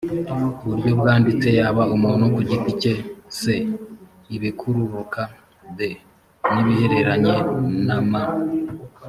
buryo bwanditse yaba umuntu ku giti cye c ibikururuka d n ibihereranye n ama